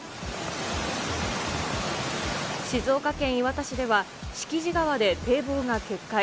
静岡県磐田市では、敷地川で堤防が決壊。